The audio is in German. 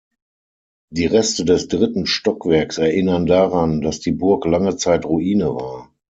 Die Reste des dritten Stockwerks erinnern daran, dass die Burg lange Zeit Ruine war.